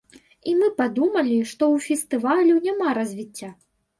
І мы падумалі, што ў фестывалю няма развіцця.